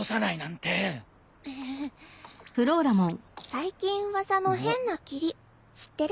最近噂の変な霧知ってる？